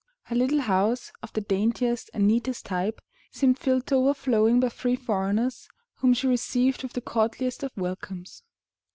Her little house, of the daintiest and neatest type, seemed filled to overflowing by three foreigners, whom she received with the courtliest of welcomes.